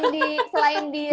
selain di lintasan ya